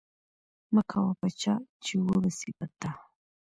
مه کوه په چا، چي و به سي په تا.